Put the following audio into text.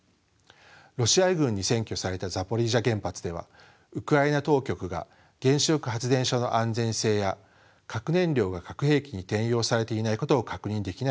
ロシア軍に占拠されたザポリージャ原発ではウクライナ当局が原子力発電所の安全性や核燃料が核兵器に転用されていないことを確認できない状態にありました。